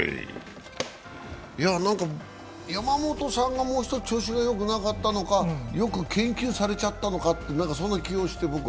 山本さんがもうひとつ調子がよくなかったのか、よく研究されちゃったのか、そんな気がしましたけど。